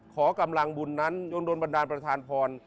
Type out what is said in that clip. ขอกำลังบุญนั้นยังโดนบันดาลประธานพร